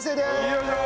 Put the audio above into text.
よいしょ！